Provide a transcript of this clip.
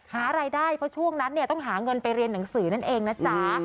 หารายได้เพราะช่วงนั้นเนี่ยต้องหาเงินไปเรียนหนังสือนั่นเองนะจ๊ะ